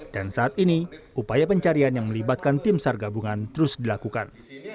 dan saat ini upaya pencarian yang melibatkan tim sargabungan terus dilakukan